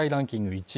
１位